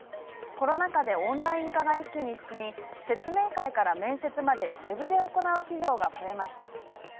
コロナ禍でオンライン化が一気に進み説明会から面接までウェブで行う企業が増えました。